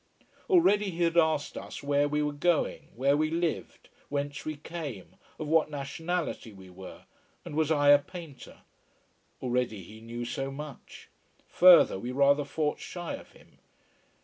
Already he had asked us where we were going, where we lived, whence we came, of what nationality we were, and was I a painter. Already he knew so much. Further we rather fought shy of him.